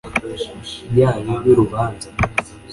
yayo y urubanza b